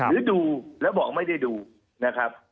หรือดูแล้วบอกไม่ได้ดูนะครับ